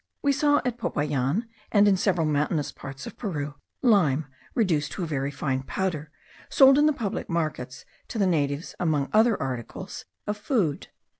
We saw at Popayan, and in several mountainous parts of Peru, lime reduced to a very fine powder, sold in the public markets to the natives among other articles of food.